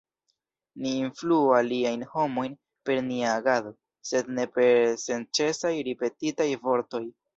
Ni influu aliajn homojn per nia agado, sed ne per senĉesaj ripetitaj vortoj.